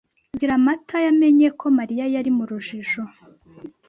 Giramatayamenye ko Mariya yari mu rujijo.